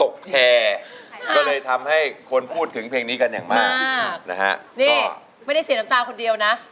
ข้าเจอน้ำตาคนเดียวนะ